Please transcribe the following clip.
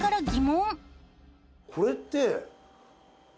これって。